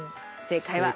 正解は。